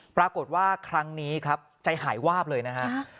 ปรากฏว่าครั้งนี้ครับใจหายวาบเลยนะฮะ